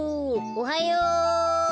おはよう。